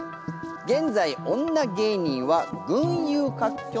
現在女芸人は群雄割拠の時代。